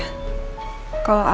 paket makanan buat bu andin